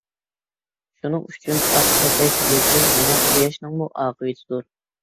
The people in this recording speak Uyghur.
شۇنىڭ ئۈچۈن، ئاق پەتەك يۇلتۇز يەنە قۇياشنىڭمۇ ئاقىۋىتىدۇر.